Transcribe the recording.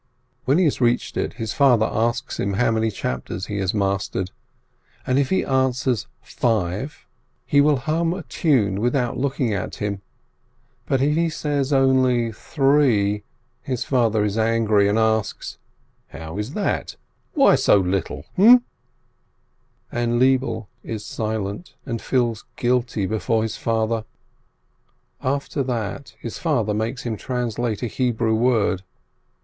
When he haa reached it, his father asks him how many chapters he has mastered, and if he answers five, his father hums SHUT IN 387 a tune without looking at him; but if he says only three, his father is angry, and asks: "How's that? Why so little, ha?" And Lebele is silent, and feels guilty before his father. After that his father makes him translate a Hebrew word.